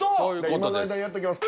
今の間にやっときます。